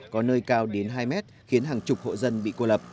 có nơi cao đến hai mét khiến hàng chục hộ dân bị cô lập